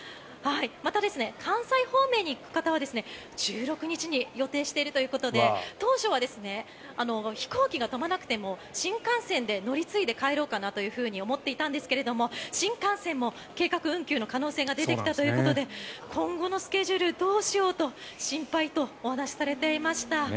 また、関西方面に行く方は１６日に予定しているということで当初は飛行機が飛ばなくても新幹線で乗り継いで帰ろうかなと思っていたんですが新幹線も計画運休の可能性が出てきたということで今後のスケジュールどうしようと心配とお話しされていました。